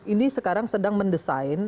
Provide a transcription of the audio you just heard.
ini sekarang sedang mendesain